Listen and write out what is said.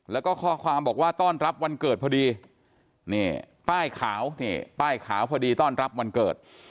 แล้วก็ข้อความบอกว่าต้อนรับวันเกิดพอดีป้ายขาวพอดีต้อนรับวันเกิด